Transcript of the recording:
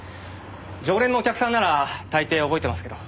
常連のお客さんなら大抵覚えてますけど。